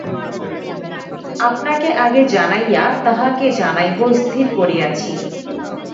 আপনাকে আগে জানাইয়া তাঁহাকে জানাইব স্থির করিয়াছি।